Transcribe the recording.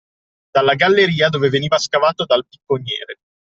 Dalla galleria dove veniva scavato dal picconiere